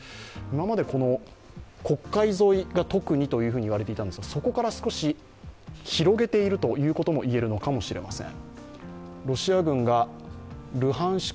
今までこの、黒海沿いが特にと言われていたんですがそこから少し広げているということも言えるのかもしれません。